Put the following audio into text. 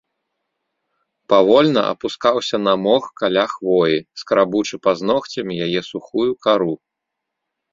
Павольна апускаўся на мох каля хвоі, скрабучы пазногцямі яе сухую кару.